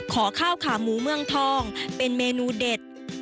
ขอข้าวขาหมูเมืองทองเป็นเมนูเด็ด